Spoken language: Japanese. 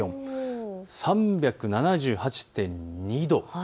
３７８．２度。